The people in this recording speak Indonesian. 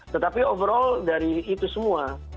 tetapi overall dari itu semua